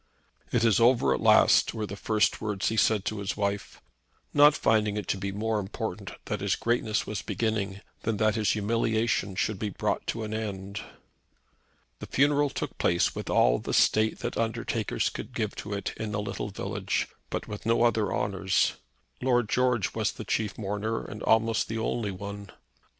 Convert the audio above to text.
"It is over at last" were the first words he said to his wife, not finding it to be more important that his greatness was beginning than that his humiliation should be brought to an end. The funeral took place with all the state that undertakers could give to it in a little village, but with no other honours. Lord George was the chief mourner and almost the only one.